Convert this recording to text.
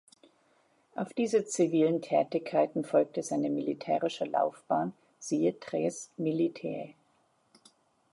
Auf diese zivilen Tätigkeiten folgte seine militärische Laufbahn (siehe Tres militiae).